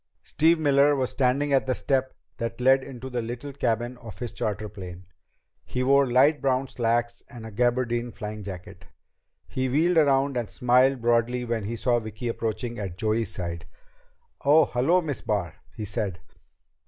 Steve Miller was standing at the step that led into the little cabin of his charter plane. He wore light brown slacks and a gabardine flying jacket. He wheeled around and smiled broadly when he saw Vicki approaching at Joey's side. "Oh, hello, Miss Barr," he said.